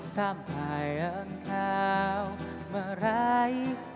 sampai engkau merasakan